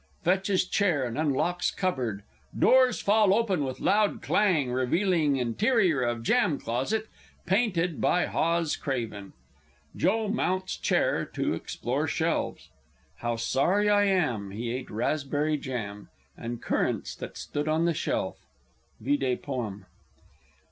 [Fetches chair and unlocks cupboard. Doors fall open with loud clang, revealing Interior of Jam Closet (painted by HAWES CRAVEN). JOE mounts chair to explore shelves. "How sorry I am, He ate raspberry jam, And currants that stood on the shelf!" _Vide Poem.